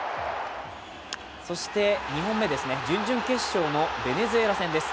そして、２本目ですね、準々決勝のベネズエラ戦です。